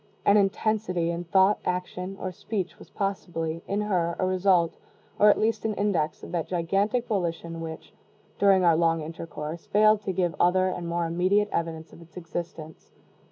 An intensity in thought, action, or speech was possibly, in her, a result, or at least an index, of that gigantic volition which, during our long intercourse, failed to give other and more immediate evidence of its existence.